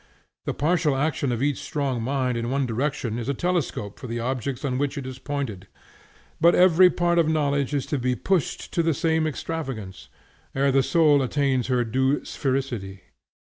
The partial action of each strong mind in one direction is a telescope for the objects on which it is pointed. But every other part of knowledge is to be pushed to the same extravagance, ere the soul attains her due sphericity.